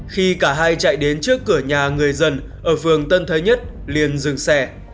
khi cả hai chạy đến trước cửa nhà người dân ở phường tân thới nhất liền dừng xe